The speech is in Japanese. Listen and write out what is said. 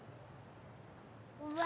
うわ